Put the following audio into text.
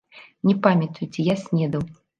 Не памятаю, ці я снедаў.